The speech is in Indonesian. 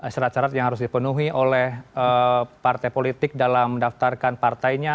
syarat syarat yang harus dipenuhi oleh partai politik dalam mendaftarkan partainya